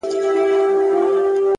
هدف واضح وي نو لار روښانه وي،